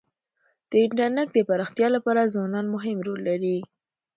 د انټرنيټ د پراختیا لپاره ځوانان مهم رول لري.